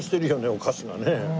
お菓子がね。